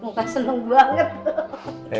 muka seneng banget